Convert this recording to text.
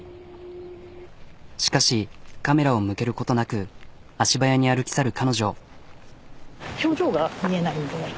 しかしカメラを向けることなく足早に歩き去る彼女。